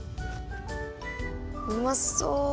うまそう！